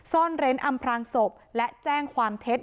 ซ่อนเร้นอำพลางศพและแจ้งความเท็จ